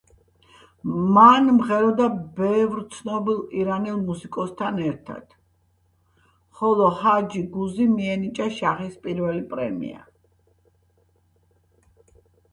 მან მღეროდა ბევრ ცნობილ ირანელ მუსიკოსთან ერთად, ხოლო ჰაჯი გუზი მიენიჭა შაჰის პირველი პრემია.